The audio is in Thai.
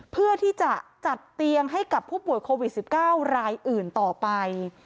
เพื่อที่จะจัดเตียงให้กับผู้ป่วยโควิด๑๙รายอื่นต่อไป